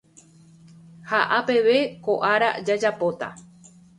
Ha apeve ko ára jajapóta